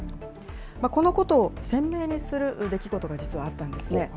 このことを鮮明にする出来事が、実はあったんですね。